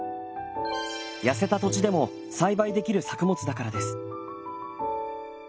やせた土地でも栽培できる作物だからです。